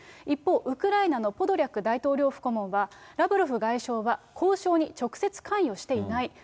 一方、ウクライナのポドリャク大統領府顧問は、ラブロフ外相は交渉に直接関与していない。